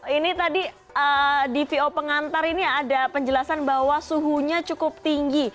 ini tadi dpo pengantar ini ada penjelasan bahwa suhunya cukup tinggi